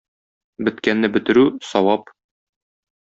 Беткәнне бетерү - савап.